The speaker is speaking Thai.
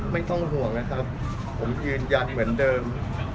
ไม่ต้องห่วงนะครับผมยืนยันเหมือนเดิม